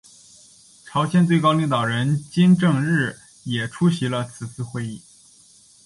朝鲜最高领导人金正日也出席了此次会议。